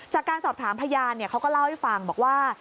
จากการสอบถามพยานเขาก็เล่าให้ฟังบอกว่า